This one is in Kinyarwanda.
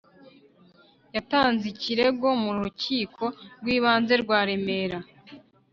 yatanze ikirego mu rukiko rw ibanze rwa remera